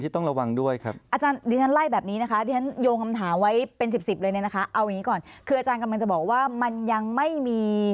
ทำให้เกิดไฟลุกหรือว่าไฟไหม้